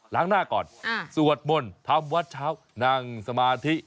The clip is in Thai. ล้างหน้าก่อนสวดมนต์ทำวัดเช้านั่งสมาธิ